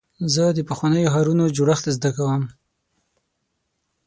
زه د پخوانیو ښارونو جوړښت زده کوم.